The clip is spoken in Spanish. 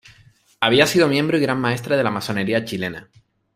Había sido miembro y Gran Maestre de la Masonería chilena.